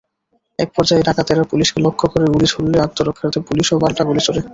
একপর্যায়ে ডাকাতেরা পুলিশকে লক্ষ্য করে গুলি ছুড়লে আত্মরক্ষার্থে পুলিশও পাল্টা গুলি ছোড়ে।